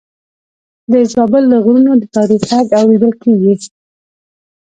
د زابل له غرونو د تاریخ غږ اورېدل کېږي.